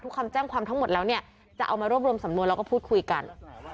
คำแจ้งความทั้งหมดแล้วเนี่ยจะเอามารวบรวมสำนวนแล้วก็พูดคุยกัน